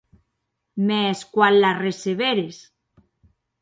Mès quan la receberes?